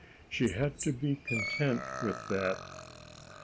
She had to be content with that.